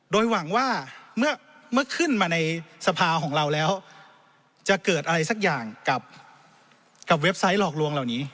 โดยหวังว่าเมื่อขึ้นมาในสภาของเราแล้วจะเกิดอะไรสักอย่างกับเว็บไซต์หลอกลวงเหล่านี้